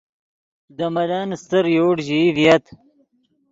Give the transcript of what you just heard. دے ملن استر یوڑ ژیئی ڤییت